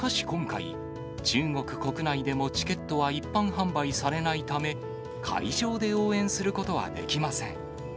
今回、中国国内でもチケットは一般販売されないため、会場で応援することはできません。